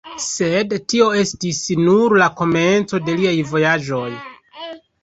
Sed tio estis nur la komenco de liaj vojaĝoj.